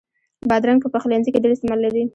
بادرنګ په پخلنځي کې ډېر استعمال لري.